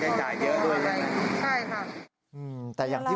ชนกระเด็นเลยเรื่องรูปคดีอย่างไร